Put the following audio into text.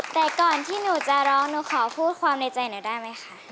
แต่ก่อนที่หนูจะร้องหนูขอพูดความในใจหนูได้ไหมคะ